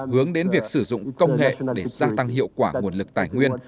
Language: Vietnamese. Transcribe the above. hướng đến việc sử dụng công nghệ để gia tăng hiệu quả nguồn lực tài nguyên